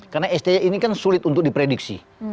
karena sti ini kan sulit untuk diprediksi